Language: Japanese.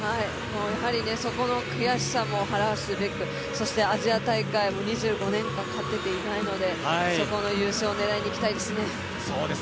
やはりそこの悔しさも晴らすべくそしてアジア大会も２５年間勝てていないのでそこの優勝を狙いにいきたいですね。